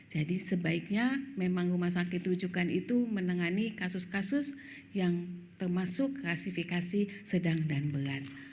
jadi sebaiknya memang rumah sakit rujukan itu menangani kasus kasus yang termasuk rasifikasi sedang dan berat